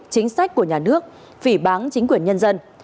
chính sách của nhà nước phỉ bán chính quyền nhân dân